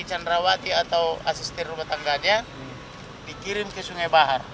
candrawati atau asistir rumah tangganya dikirim ke sungai bahar